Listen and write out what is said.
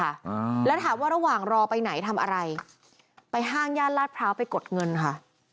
อ่าแล้วถามว่าระหว่างรอไปไหนทำอะไรไปห้างย่านลาดพร้าวไปกดเงินค่ะ